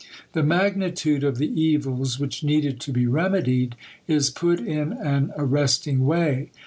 The magnitude of the evils which needed to be remedied is put in an arresting way.